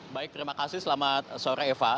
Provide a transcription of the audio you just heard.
baik terima kasih selamat sore eva